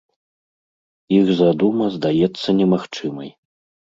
Іх задума здаецца немагчымай.